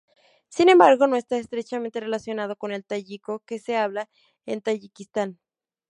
Sin embargo, no está estrechamente relacionado con el tayiko que se habla en Tayikistán.